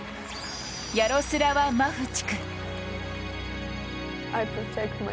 ヤロスラワ・マフチク。